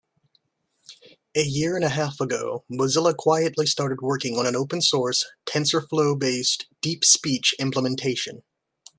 A year and a half ago, Mozilla quietly started working on an open source, TensorFlow-based DeepSpeech implementation.